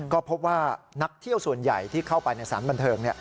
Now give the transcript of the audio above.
ก็พบว่านักเที่ยวส่วนใหญ่ที่เข้าไปในสารบันเทิง